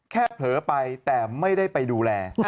เผลอไปแต่ไม่ได้ไปดูแล